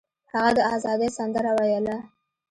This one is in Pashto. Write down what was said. هغه د ازادۍ سندره ویله.